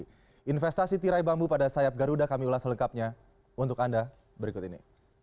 jadi investasi tirai bambu pada sayap garuda kami ulas selengkapnya untuk anda berikut ini